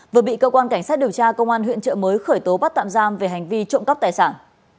vừa bị cơ quan cảnh sát điều tra công an huyện trợ mới khởi tố bắt tạm giam về hành vi trộm cắp tài sản